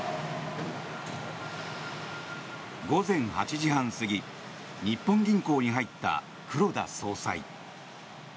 午前８時半過ぎ日本銀行に入った黒田総裁。